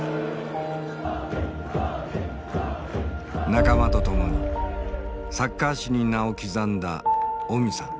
仲間と共にサッカー史に名を刻んだオミさん。